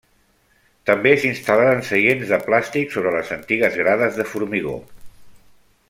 També s'instal·laren seients de plàstic sobre les antigues grades de formigó.